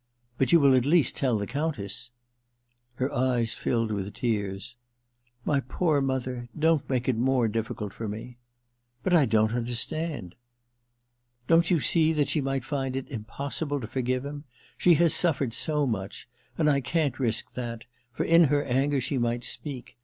* But you will at least tell the Countess ' Her eyes filled with tears. * My poor mother — don't make it more difficult for me !'* But I don't understand '^ Don't you see that she might find it im possible to forgive him } She has suffered so much ! And I can't risk that — for in her anger she might speak.